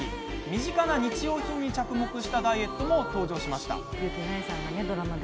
身近な日用品に着目したダイエットも登場しました。